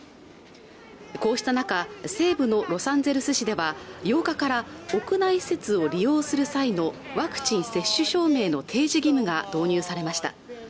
こうした中西部のロサンゼルス市では８日から屋内施設を利用する際のワクチン接種証明の提示義務が導入されました